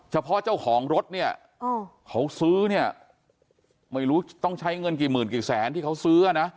เฉพาะเจ้าของรถเนี่ยเขาซื้อเนี่ยไม่รู้ต้องใช้เงินกี่หมื่นกี่แสนที่เขาซื้อนะ